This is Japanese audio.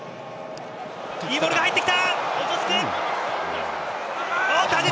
いいボールが入ってきた！